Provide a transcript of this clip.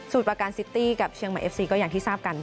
สมุดประการชื่องหมาเอฟซีก็อย่างที่ทราบกัน